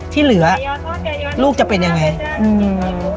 ที่เหลือลูกจะเป็นยังไงอืม